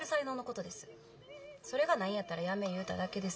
それがないんやったらやめ言うただけです。